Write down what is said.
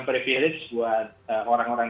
privilege buat orang orang